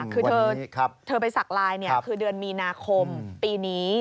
คือเธอไปสักลายคือเดือนมีนาคมปีนี้